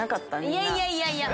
いやいやいやいや！